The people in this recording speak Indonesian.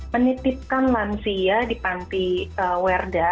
menitipkan lansia di panti werda